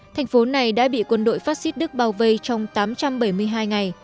thành phố này đã bị quân đội phát xít đức bao vây trong tám trăm bảy mươi hai ngày